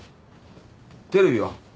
テレビは？